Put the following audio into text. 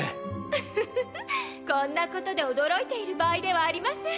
ふふふふっこんなことで驚いている場合ではありません。